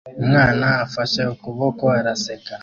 Umwana afashe ukuboko araseka